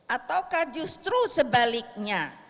ataukah justru sebaliknya